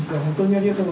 ありがとう！